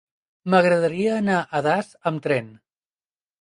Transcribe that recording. M'agradaria anar a Das amb tren.